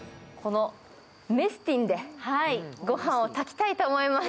メスティンで御飯を炊きたいと思います。